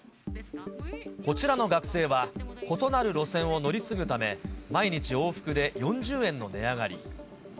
こちらの学生は、異なる路線を乗り継ぐため、毎日、往復で４０円の値上がり。